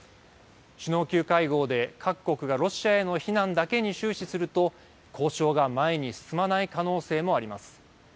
首脳級会合で各国がロシアへの非難だけに終始すると、交渉が前に進まない可能性もあります。